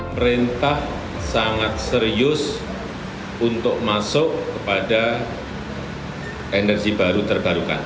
perintah sangat serius untuk masuk kepada energi baru terbarukan